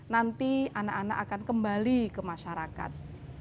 nanti anak anak akan kembali ke masyarakat